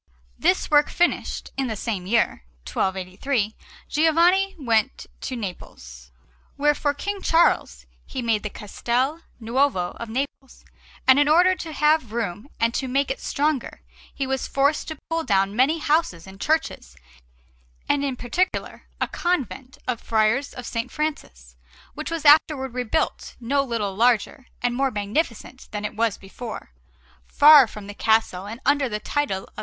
This work finished, in the same year, 1283, Giovanni went to Naples, where, for King Charles, he made the Castel Nuovo of Naples; and in order to have room and to make it stronger, he was forced to pull down many houses and churches, and in particular a convent of Friars of S. Francis, which was afterwards rebuilt no little larger and more magnificent than it was before, far from the castle and under the title of S.